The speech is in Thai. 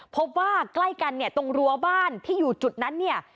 พบว่าใกล้กันเนี่ยตรงรั้วบ้านที่อยู่จุดนั้นเนี่ย